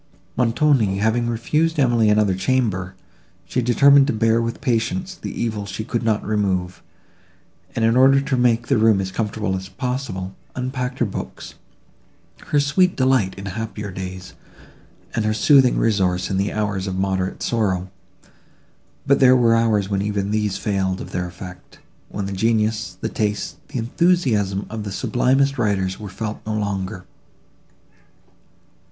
Montoni having refused Emily another chamber, she determined to bear with patience the evil she could not remove, and, in order to make the room as comfortable as possible, unpacked her books, her sweet delight in happier days, and her soothing resource in the hours of moderate sorrow: but there were hours when even these failed of their effect; when the genius, the taste, the enthusiasm of the sublimest writers were felt no longer.